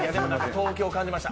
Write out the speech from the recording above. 東京感じました。